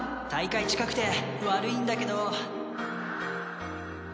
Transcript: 大会近くて悪いんだけど。